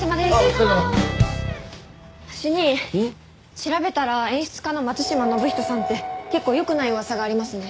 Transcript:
調べたら演出家の松島信人さんって結構良くない噂がありますね。